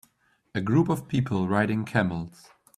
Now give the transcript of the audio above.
A group of people riding camels.